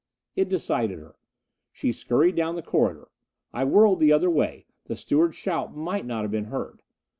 It decided her. She scurried down the corridor. I whirled the other way. The steward's shout might not have been heard.